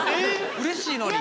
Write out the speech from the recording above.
うれしいのに。